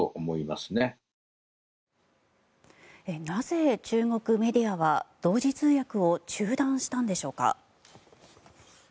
なぜ、中国メディアは同時通訳を中断したんでしょうか。